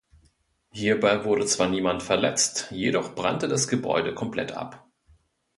Hierbei wurde zwar niemand verletzt, jedoch brannte das Gebäude komplett ab.